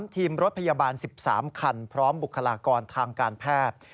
ทีมรถพยาบาล๑๓คันพร้อมบุคลากรทางการแพทย์